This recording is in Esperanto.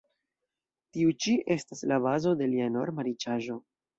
Tiu ĉi estas la bazo de lia enorma riĉaĵo.